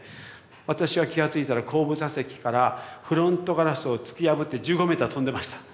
私は気がついたら後部座席からフロントガラスを突き破って１５メーター飛んでました。